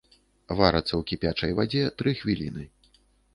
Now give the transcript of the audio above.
Варацца ў кіпячай вадзе тры хвіліны.